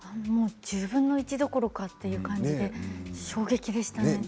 １０分の１どころかという感じで衝撃でしたね。